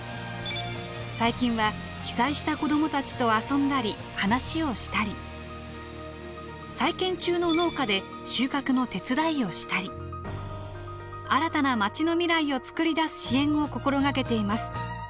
最近は被災した子どもたちと遊んだり話をしたり再建中の農家で収穫の手伝いをしたり新たな町の未来を作り出す支援を心がけています。